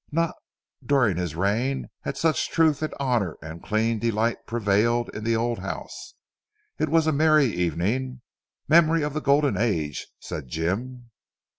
Not during his reign had such truth and honour and clean delight prevailed in the old house. It was a merry evening. "Memory of the Golden Age," said Jim.